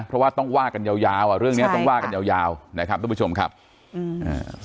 เพราะว่าต้องว่ากันยาวยาวอ่ะเรื่องเนี้ยต้องว่ากันยาวยาวนะครับทุกผู้ชมครับอืมอ่า